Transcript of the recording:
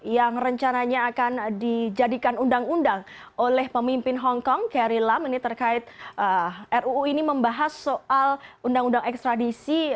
yang rencananya akan dijadikan undang undang oleh pemimpin hongkong carry lam ini terkait ruu ini membahas soal undang undang ekstradisi